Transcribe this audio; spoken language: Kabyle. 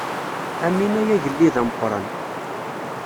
Amin ay agellid ameqqran.